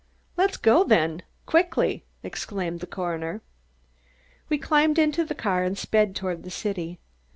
"Let's go quickly then," exclaimed the coroner. We climbed into the car and sped toward the city.